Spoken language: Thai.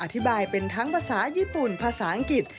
อธิบายเป็นทั้งภาษาญี่ปุ่นภาษาอังกฤษ